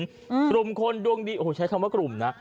กลุ่มคนดวงดีโอ้โหใช้คำว่ากลุ่มนะ